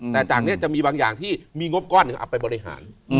แต่จากนี้จะมีบางอย่างที่มีงบก้อนหนึ่งเอาไปบริหาร